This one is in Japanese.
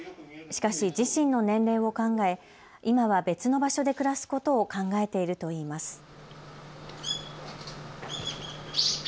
しかし自身の年齢を考え今は別の場所で暮らすことを考えているといいます。